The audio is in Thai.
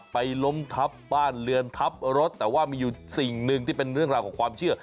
ล้มทับบ้านเรือนทับรถแต่ว่ามีอยู่สิ่งหนึ่งที่เป็นเรื่องราวของความเชื่อ